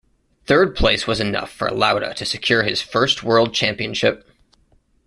Third place was enough for Lauda to secure his first world championship.